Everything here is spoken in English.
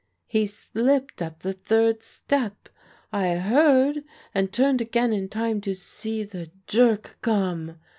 He slipped at the third step ... I heard, and turned again in time to see the jerk come.